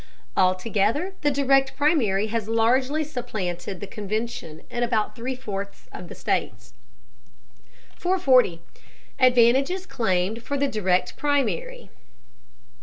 Altogether, the Direct Primary has largely supplanted the convention in about three fourths of the states. 440. ADVANTAGES CLAIMED FOR THE DIRECT PRIMARY.